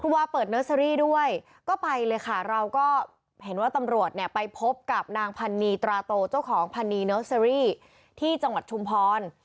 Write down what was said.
วาเปิดเนอร์เซอรี่ด้วยก็ไปเลยค่ะเราก็เห็นว่าตำรวจเนี่ยไปพบกับนางพันนีตราโตเจ้าของพันนีเนอร์เซอรี่ที่จังหวัดชุมพร